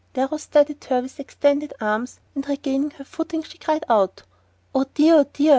Darrow steadied her with extended arms, and regaining her footing she cried out: "Oh, dear, oh, dear!